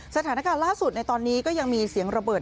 สถานการณ์ล่าสุดในตอนนี้ก็ยังมีเสียงระเบิด